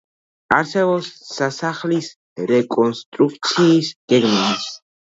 არსებობს სასახლის რეკონსტრუქციის გეგმები.